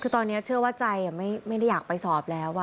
คือตอนนี้เชื่อว่าใจไม่ได้อยากไปสอบแล้ว